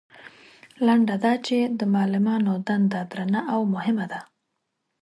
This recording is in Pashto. لنډه دا چې د معلمانو دنده درنه او مهمه ده.